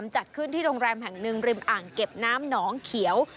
จัดขึ้นที่โรงแรมแห่งหนึ่งริมอ่างเก็บน้ำหนองเขียว